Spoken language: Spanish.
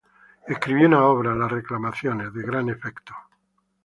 Escribió una obra, "Las Reclamaciones", de gran efecto.